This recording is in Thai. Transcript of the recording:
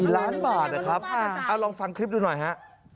๔ล้านบาทนะครับเอาลองฟังคลิปดูหน่อยฮะ